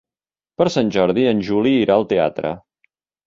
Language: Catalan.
Per Sant Jordi en Juli irà al teatre.